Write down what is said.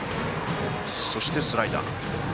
そして、スライダーです。